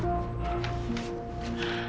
aku mau uangku kembali